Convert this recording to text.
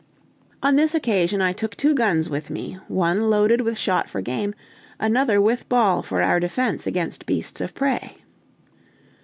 On this occasion I took two guns with me, one loaded with shot for game, another with ball for our defense against beasts of prey.